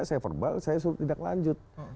saya verbal saya suruh tindak lanjut